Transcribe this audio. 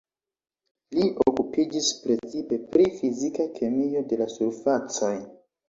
Li okupiĝis precipe pri fizika kemio de la surfacoj.